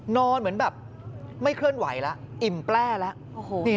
นอนเหมือนแบบไม่เคลื่อนไหวแล้วอิ่มแปลแล้ว